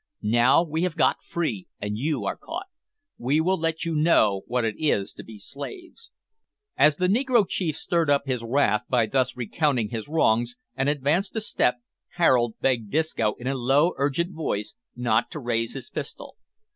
"Now we have got free, and you are caught. We will let you know what it is to be slaves." As the negro chief stirred up his wrath by thus recounting his wrongs, and advanced a step, Harold begged Disco, in a low, urgent voice, not to raise his pistol.